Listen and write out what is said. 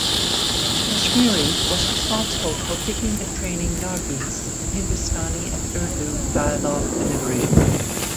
Kashmiri was responsible for picking and training Nargis in Hindustani and Urdu dialogue delivery.